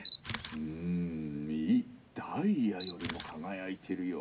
ダイヤよりも輝いてるよ。